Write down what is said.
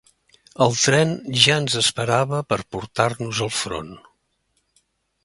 El tren ja ens esperava per portar-nos al front.